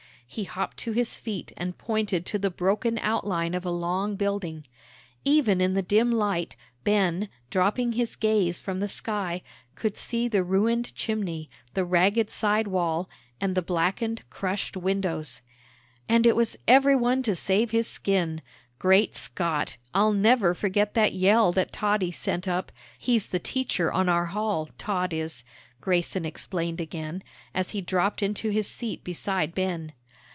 He hopped to his feet and pointed to the broken outline of a long building. Even in the dim light, Ben, dropping his gaze from the sky, could see the ruined chimney, the ragged side wall, and the blackened, crushed windows. "And it was every one to save his skin. Great Scott! I'll never forget that yell that Toddy sent up. He's the teacher on our hall, Todd is," Grayson explained again, as he dropped into his seat beside Ben.